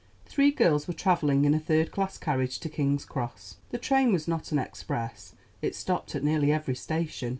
Three girls were traveling in a third class carriage to King's Cross. The train was not an express; it stopped at nearly every station.